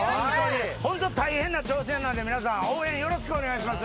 本当、大変な挑戦なんで皆さん、応援よろしくお願いします。